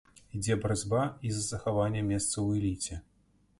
Ідзе барацьба і за захаванне месца ў эліце.